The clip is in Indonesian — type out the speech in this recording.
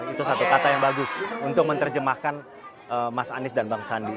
itu satu kata yang bagus untuk menerjemahkan mas anies dan bang sandi